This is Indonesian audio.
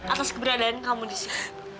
atas keberadaan kamu di sana